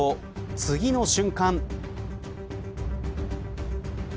次の瞬間。